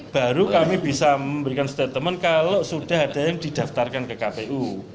baru kami bisa memberikan statement kalau sudah ada yang didaftarkan ke kpu